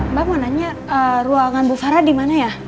mbak mau nanya ruangan bu farah dimana ya